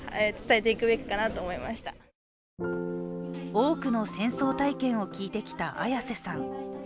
多くの戦争体験を聞いてきた綾瀬さん。